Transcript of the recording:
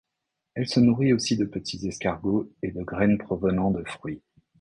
Elle se nourrit aussi de petits escargots, et de graines provenant de fruits.